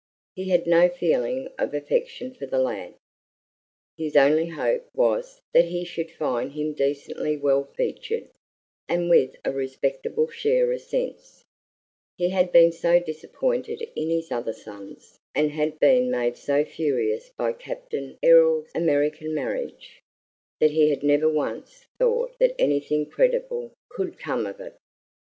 He had no feeling of affection for the lad; his only hope was that he should find him decently well featured, and with a respectable share of sense; he had been so disappointed in his other sons, and had been made so furious by Captain Errol's American marriage, that he had never once thought that anything creditable could come of it.